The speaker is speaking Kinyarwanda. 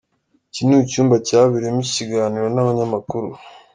Iki ni icyumba cyabereyemo iki kiganiro n'abanyamakuru.